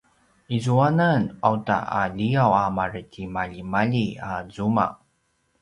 izuanan auta a liyaw a maretimaljimalji a zuma